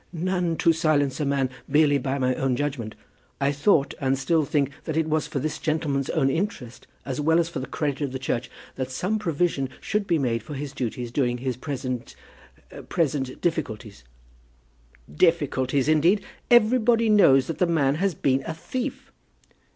"None to silence a man merely by my own judgment. I thought, and still think, that it was for this gentleman's own interest, as well as for the credit of the Church, that some provision should be made for his duties during his present, present difficulties." "Difficulties indeed! Everybody knows that the man has been a thief."